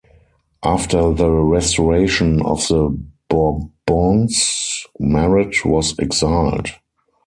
After the restoration of the Bourbons, Maret was exiled.